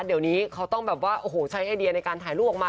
เดี๋ยวนี้เขาต้องแบบว่าโอ้โหใช้ไอเดียในการถ่ายรูปออกมา